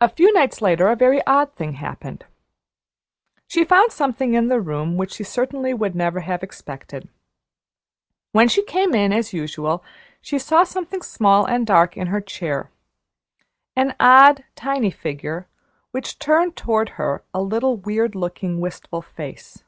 A few nights later a very odd thing happened. She found something in the room which she certainly would never have expected. When she came in as usual she saw something small and dark in her chair, an odd, tiny figure, which turned toward her a little, weird looking, wistful face.